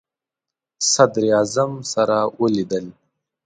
صدراعظم سره ولیدل.